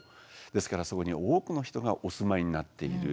ですからそこに多くの人がお住まいになっている。